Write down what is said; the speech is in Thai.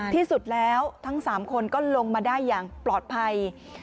ที่สุดแล้วทั้ง๓คนก็ลงมาได้อย่างปลอดภัย